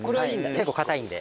結構硬いんで。